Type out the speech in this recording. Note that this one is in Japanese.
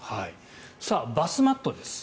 バスマットです。